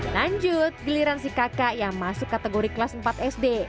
lanjut giliran si kakak yang masuk kategori kelas empat sd